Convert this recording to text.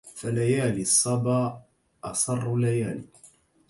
فليالي الصبا أسر ليال